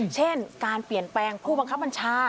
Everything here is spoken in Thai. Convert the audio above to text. เช่นการเปลี่ยนแปลงผู้บังคับบัญชา